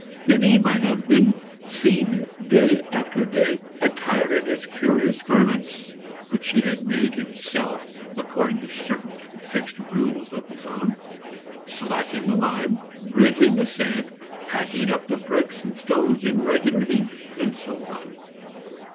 Then he might have been seen day after day, attired in his curious garments (which he had made himself according to certain fixed rules of his own), slacking the lime, riddling the sand, packing up the bricks and stones in regular heaps, and so on.